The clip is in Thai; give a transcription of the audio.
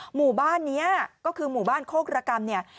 หมู่บ้านนี้ก็คือหมู่บ้านโคกระกรรมเนี่ย